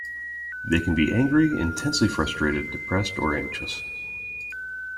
They can be angry, intensely frustrated, depressed, or anxious.